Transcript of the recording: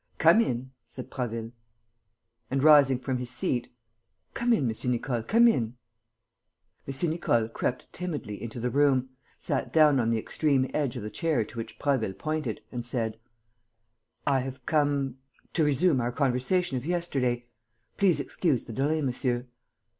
"Come in!" said Prasville. And, rising from his seat: "Come in, M. Nicole, come in." M. Nicole crept timidly into the room, sat down on the extreme edge of the chair to which Prasville pointed and said: "I have come ... to resume ... our conversation of yesterday.... Please excuse the delay, monsieur."